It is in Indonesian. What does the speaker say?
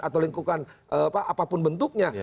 atau lingkungan apapun bentuknya